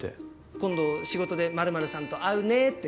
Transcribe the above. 今度仕事で○○さんと会うねって。